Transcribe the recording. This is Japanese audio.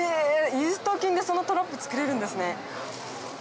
イースト菌でそのトラップ作れるんですね。